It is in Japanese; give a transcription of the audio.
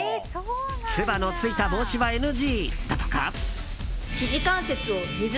つばのついた帽子はＮＧだとか。